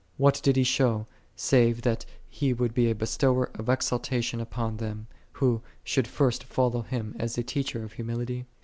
429 did He show, save, that He would be a be stower of exaltation upon them, who should first follow Hun as a teacher of humility?